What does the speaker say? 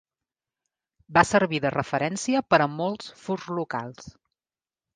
Va servir de referència per a molts furs locals.